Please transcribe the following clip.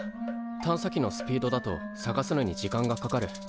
探査機のスピードだと探すのに時間がかかる。